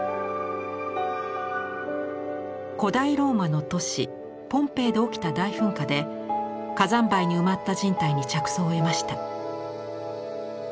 古代ローマの都市ポンペイで起きた大噴火で火山灰に埋まった人体に着想を得ました。